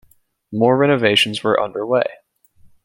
More renovations were underway.